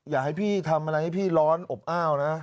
อยากให้พี่ทำอะไรให้พี่ร้อนอบอ้าวนะ